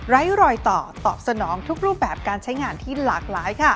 รอยต่อตอบสนองทุกรูปแบบการใช้งานที่หลากหลายค่ะ